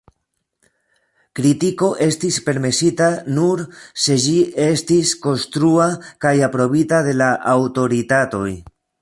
Kritiko estis permesita nur se ĝi estis “konstrua” kaj aprobita de la aŭtoritatoj.